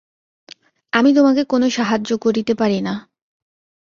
আমি তোমাকে কোন সাহায্য করিতে পারি না।